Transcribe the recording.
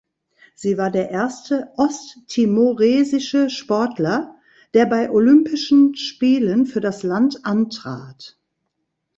Sie war der erste osttimoresische Sportler, der bei Olympischen Spielen für das Land antrat.